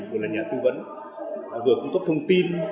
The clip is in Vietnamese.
vừa là nhà tư vấn vừa cung cấp thông tin